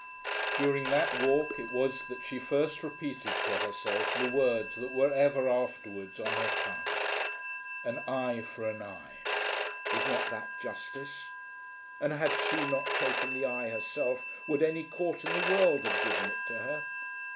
During that walk it was that she first repeated to herself the words that were ever afterwards on her tongue; An Eye for an Eye. Was not that justice? And, had she not taken the eye herself, would any Court in the world have given it to her?